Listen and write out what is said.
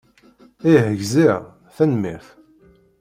Ih, gziɣ. Tanemmirt.